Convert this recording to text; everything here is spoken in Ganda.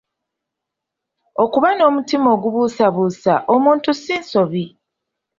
Okuba n’omutima ogubuusabuusa omuntu si nsobi.